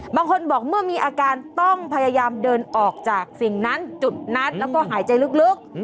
บางคนบอกเมื่อมีอาการต้องพยายามเดินออกจากสิ่งนั้นจุดนั้นแล้วก็หายใจลึก